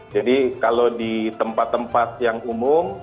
jadi kalau di tempat tempat yang umum